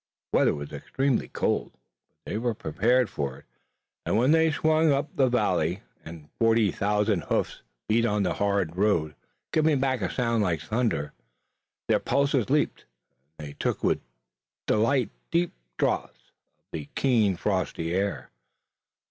The weather was extremely cold, but they were prepared for it, and when they swung up the valley, and forty thousand hoofs beat on the hard road, giving back a sound like thunder, their pulses leaped, and they took with delight deep draughts of the keen frosty air.